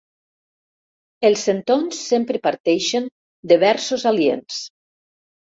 Els centons sempre parteixen de versos aliens.